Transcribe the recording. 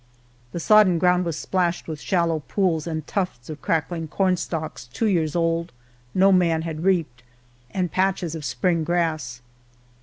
The sodden ground was splashed with shallow pools, Jnd tufts of crackling cornUalks, two years old. No man had reaped, and patches of sprmg grass.